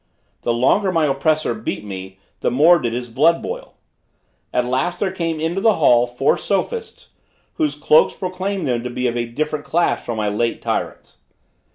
The longer my oppressor beat me, the more did his blood boil. At last there came into the hall four sophists, whose cloaks proclaimed them to be of a different class from my late tyrants.